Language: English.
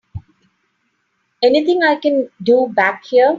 Anything I can do back here?